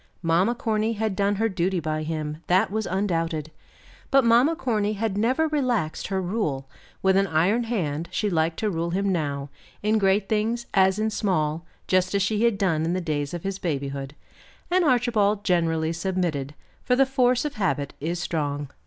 Mamma Corny had done her duty by him, that was undoubted; but Mamma Corny had never relaxed her rule; with an iron hand she liked to rule him now, in great things as in small, just as she had done in the days of his babyhood. And Archibald generally submitted, for the force of habit is strong.